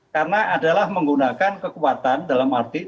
karena adalah menggunakan kekuatan dalam masyarakat